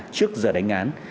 trước giờ đánh án